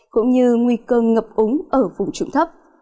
cũng như nguy cơ ngập úng ở vùng trụng thấp